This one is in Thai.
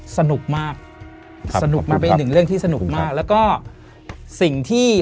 สนุกมากสนุกมันเป็นหนึ่งเรื่องที่สนุกมากแล้วก็สิ่งที่